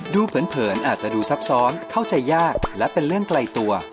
เผินอาจจะดูซับซ้อนเข้าใจยากและเป็นเรื่องไกลตัว